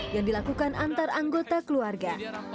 yang dilakukan antar anggota keluarga